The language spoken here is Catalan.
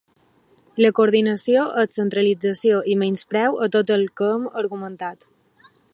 La “coordinació” és centralització i menyspreu a tot el que hem argumentat.